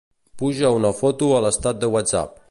Puja una foto a l'estat de Whatsapp.